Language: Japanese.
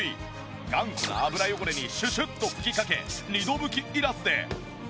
頑固な油汚れにシュシュッと吹きかけ２度拭きいらずではい